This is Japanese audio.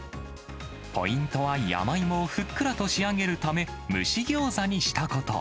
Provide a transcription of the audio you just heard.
ポイントは、山芋をふっくら仕上げるため、蒸しギョーザにしたこと。